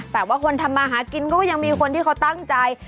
แต่ว่าคนทำมาหากินก็ยังมีคนที่เขาตั้งใจ